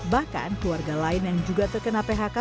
bahkan keluarga lain yang juga terkena phk